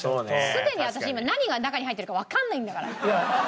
すでに私今何が中に入ってるかわかんないんだから。